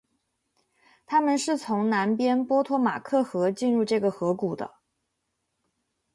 他们是从南边波托马克河进入这个河谷的。